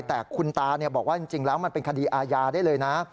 แต่คุณตาบอกว่าจริงแล้วมันเป็นคดีอาญาได้เลยนะ